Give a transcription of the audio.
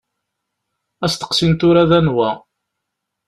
Asteqsi n tura d anwa.